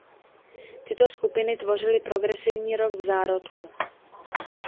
Tyto skupiny tvořily progresivní rock v zárodku.